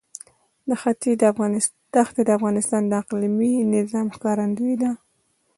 دښتې د افغانستان د اقلیمي نظام ښکارندوی ده.